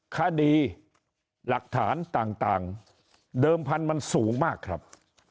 คดีหลักฐานต่างเดิมพันธุ์มันสูงมากครับ